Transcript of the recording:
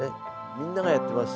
みんながやってます。